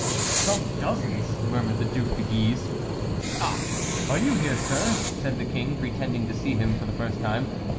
"Some dozens!" murmured the Duc de Guise. "Ah! are you here, sir?" said the King, pretending to see him for the first time.